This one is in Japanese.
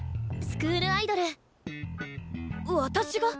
スクールアイドル。